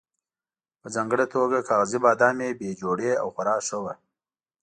په ځانګړې توګه کاغذي بادام یې بې جوړې او خورا ښه وو.